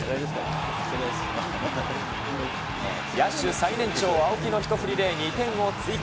野手最年長、青木の一振りで２点を追加。